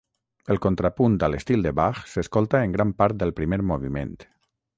El contrapunt a l'estil de Bach s'escolta en gran part del primer moviment.